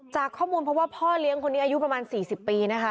จากข้อมูลเพราะว่าพ่อเลี้ยงคนนี้อายุประมาณ๔๐ปีนะคะ